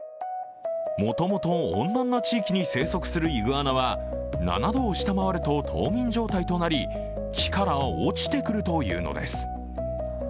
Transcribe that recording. もともと温暖な地域に生息するイグアナは７度を下回ると冬眠状態となり、木から落ちてくるというのです。